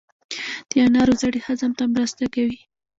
د انارو زړې هضم ته مرسته کوي.